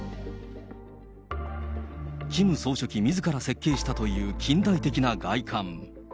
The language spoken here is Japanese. キム総書記みずから設計したという近代的な外観。